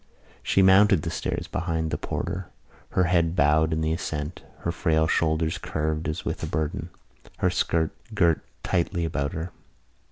She mounted the stairs behind the porter, her head bowed in the ascent, her frail shoulders curved as with a burden, her skirt girt tightly about her.